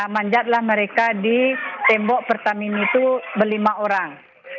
manjatlah mereka di tembok pertamini itu berlima orang